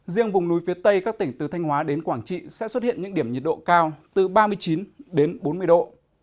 riêng vùng núi phía tây các tỉnh từ thanh hóa đến quảng trị sẽ xuất hiện những điểm nhiệt độ cao từ ba mươi chín đến bốn mươi độ